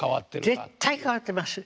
絶対変わってます。